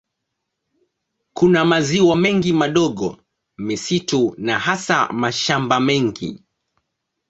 Kuna maziwa mengi madogo, misitu na hasa mashamba mengi.